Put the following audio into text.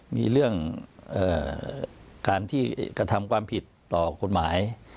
มีเรื่องการที่กระทำความผิดต่อกฎหมาย